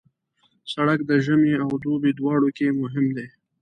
سړک د ژمي او دوبي دواړو کې مهم دی.